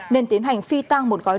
nên tiến hành phi tàng một gói nổ